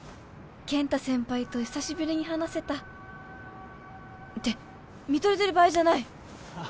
健太先輩と久しぶりに話せたって見とれてる場合じゃないあ